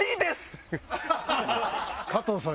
加藤さん